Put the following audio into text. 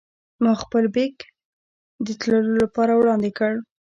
ما خپل بېک د تللو لپاره وړاندې کړ.